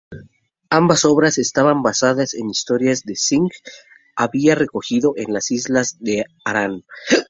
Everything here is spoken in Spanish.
Ambas obras estaban basadas en historias que Synge había recogido en las Islas Aran.